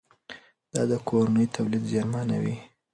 دا د کورني تولید زیانمنوي.